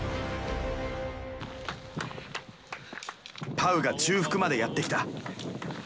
パウが中腹までやって来た。